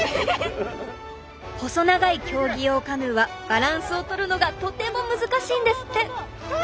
細長い競技用カヌーはバランスを取るのがとても難しいんですって。わ！